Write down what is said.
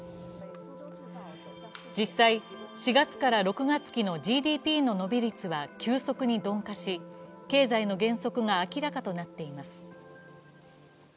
実際、４月から６月期のＧＤＰの伸び率は急速に鈍化し経済の減速が明らかとなっています。